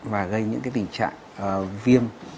và gây những cái tình trạng viêm